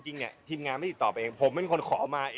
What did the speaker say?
จริงเนี่ยทีมงานไม่ติดต่อไปเองผมเป็นคนขอมาเอง